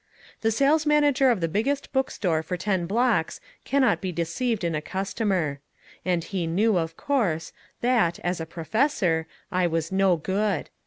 The sales manager of the biggest book store for ten blocks cannot be deceived in a customer. And he knew, of course, that, as a professor, I was no good.